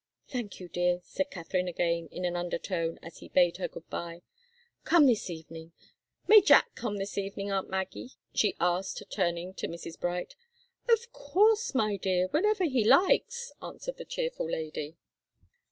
"Thank you, dear," said Katharine again, in an undertone, as he bade her good bye. "Come this evening. May Jack come this evening, aunt Maggie?" she asked, turning to Mrs. Bright. "Of course, my dear whenever he likes," answered the cheerful lady.